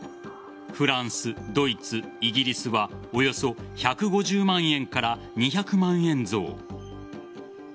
フランス、ドイツ、イギリスはおよそ１５０万円から２００万円増。